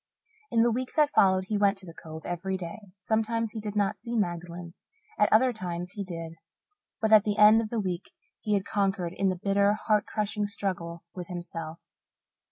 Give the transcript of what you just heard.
In the week that followed he went to the Cove every day. Sometimes he did not see Magdalen; at other times he did. But at the end of the week he had conquered in the bitter, heart crushing struggle with himself.